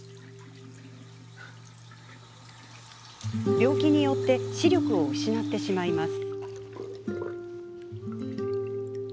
病気によって視力を失ってしまいます。